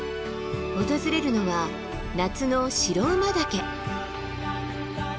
訪れるのは夏の白馬岳。